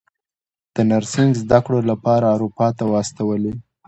د نرسنګ زده کړو لپاره اروپا ته واستولې.